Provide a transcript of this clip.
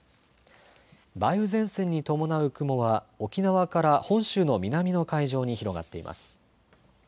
梅雨前線に伴う雲は沖縄から本州の南の海上に広がっています。